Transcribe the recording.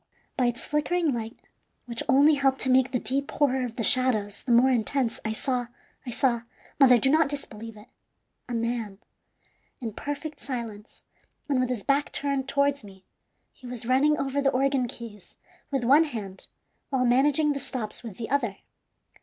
By its flickering light, which only helped to make the deep horror of the shadows the more intense, I saw I saw mother, do not disbelieve it a man. In perfect silence, and with his back turned towards me, he was running over the organ keys with one hand while managing the stops with the other.